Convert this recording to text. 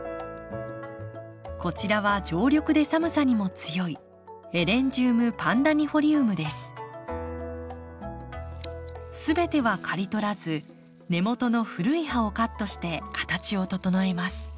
こちらは常緑で寒さにも強い全ては刈り取らず根元の古い葉をカットして形を整えます。